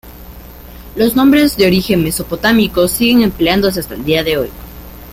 Los nombres de origen mesopotámico siguen empleándose hasta el día de hoy.